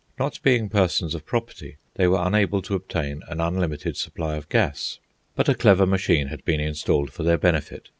Not being persons of property, they were unable to obtain an unlimited supply of gas; but a clever machine had been installed for their benefit.